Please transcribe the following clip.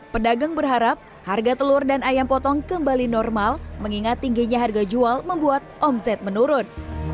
pedagang berharap harga telur dan ayam potong kembali normal mengingat tingginya harga jual membuat omset menurun